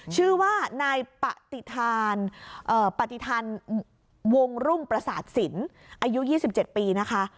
ชื่อว่านายปฏิทานปฏิทันวงรุ่งประสาทศิลป์อายุ๒๗ปีนะคะ